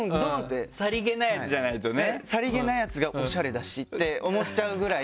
さりげないやつじゃないとね。って思っちゃうぐらい。